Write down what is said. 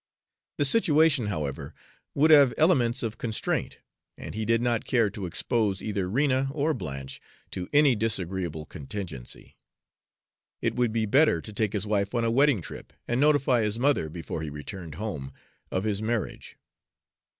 The situation, however, would have elements of constraint, and he did not care to expose either Rena or Blanche to any disagreeable contingency. It would be better to take his wife on a wedding trip, and notify his mother, before he returned home, of his marriage.